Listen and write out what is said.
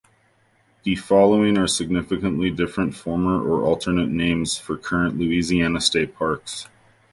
The following are significantly different former or alternate names for current Louisiana state parks.